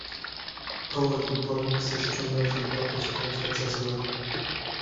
Poet and polemicist John Milton published pamphlets as well.